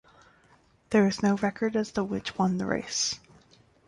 There is no record as to which won the race.